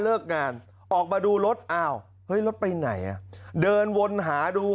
เลิกงานออกมาดูรถอ้าวเฮ้ยรถไปไหนอ่ะเดินวนหาดู